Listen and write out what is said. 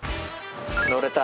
乗れた。